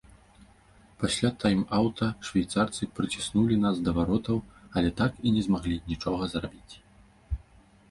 Пасля тайм-аўта швейцарцы прыціснулі нас да варотаў, але так і не змаглі нічога зрабіць.